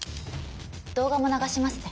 動画も流しますね。